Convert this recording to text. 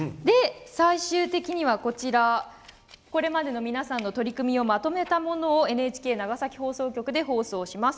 最終的には、これまでの皆さんの取り組みをまとめたものをＮＨＫ長崎放送局で放送します。